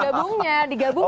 digabung jadi i love you